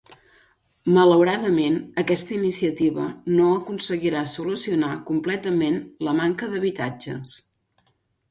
Malauradament, aquesta iniciativa no aconseguirà solucionar completament la manca d'habitatges.